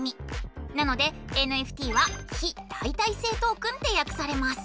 なのでＮＦＴは「非代替性トークン」ってやくされます。